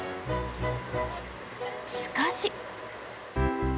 しかし。